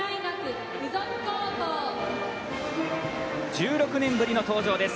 １６年ぶりの登場です。